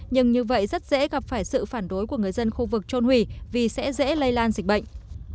nhưng như vậy rất dễ gặp phải sự phản đối của người dân khu vực trôn hủy vì sẽ dễ lây lan dịch bệnh